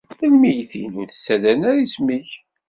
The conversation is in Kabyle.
Lmeyytin ur d-ttadren ara isem-ik.